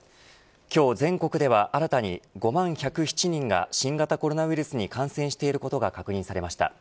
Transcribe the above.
今日全国では新たに５万１０７人が新型コロナウイルスに感染していることが確認されました。